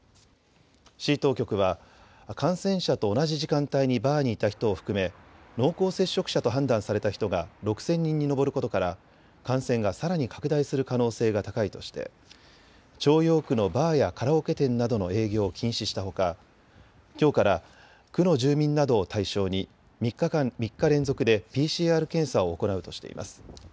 市当局は感染者と同じ時間帯にバーにいた人を含め濃厚接触者と判断された人が６０００人に上ることから感染がさらに拡大する可能性が高いとして朝陽区のバーやカラオケ店などの営業を禁止したほかきょうから区の住民などを対象に３日連続でＰＣＲ検査を行うとしています。